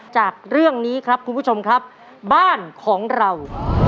จากเรื่องนี้ครับคุณผู้ชมครับบ้านของเรา